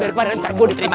daripada ntar gua diterima